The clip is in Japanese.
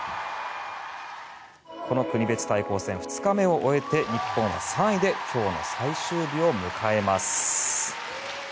この国別対抗戦２日目を終えて日本は３位で今日の最終日を迎えます。